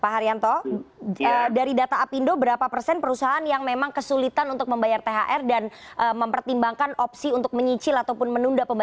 pak haryanto dari data apindo berapa persen perusahaan yang memang kesulitan untuk membayar thr dan mempertimbangkan opsi untuk menyicil ataupun menunda pemilu